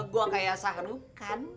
gue kayak sahrul kan